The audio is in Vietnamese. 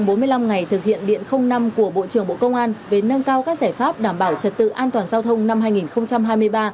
trong bốn mươi năm ngày thực hiện điện năm của bộ trưởng bộ công an về nâng cao các giải pháp đảm bảo trật tự an toàn giao thông năm hai nghìn hai mươi ba